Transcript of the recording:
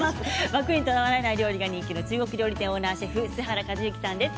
枠にとらわれない料理が人気の、中国料理店オーナーシェフの栖原一之さんです。